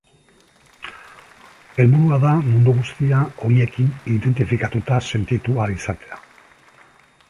Helburua da mundu guztia horiekin identifikatuta sentitu ahal izatea.